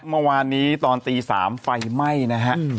เมื่อวานนี้ตอนตี๓ไฟไหม้นะฮะ